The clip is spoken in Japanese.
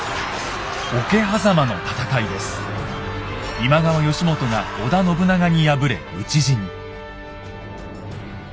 今川義元が織田信長に敗れ討ち死に。